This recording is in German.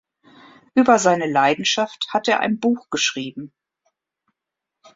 Über seine Leidenschaft hat er ein Buch geschrieben.